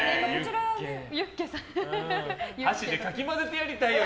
箸でかき混ぜてやりたいよ！